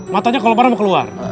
matanya kalau para mau keluar